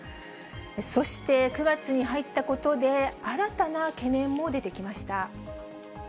そして、９月に入ったことで、新たな懸念も出てきました。